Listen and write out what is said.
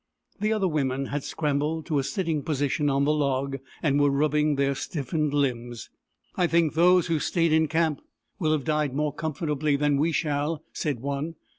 The other women had scrambled to a sitting position on the log, and were rubbing their stiffened limbs. " I think those who stayed in camp will have died more comfortably than we shall," said one.